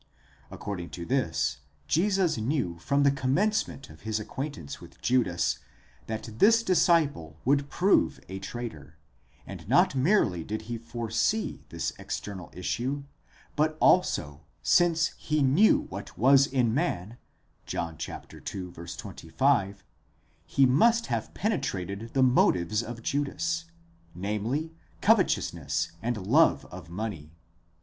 According to this, Jesus knew from the commencement of his acquaintance with Judas, that this dis ciple would prove a traitor; and not merely did he foresee this external issue, but also, since he knew what was in man (John ii. 25), he must have pene trated the motives of Judas, namely, covetousness and love of money.